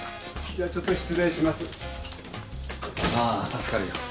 助かるよ。